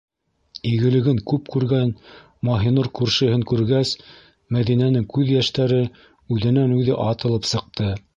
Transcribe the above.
Игелеген күп күргән Маһинур күршеһен күргәс, Мәҙинәнең күҙ йәштәре үҙенән-үҙе атылып сыҡты.